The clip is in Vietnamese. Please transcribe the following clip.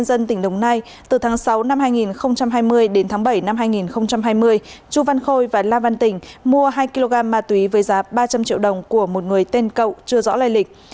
đến tháng bảy năm hai nghìn hai mươi chu văn khôi và la văn tỉnh mua hai kg ma túy với giá ba trăm linh triệu đồng của một người tên cậu chưa rõ lời lịch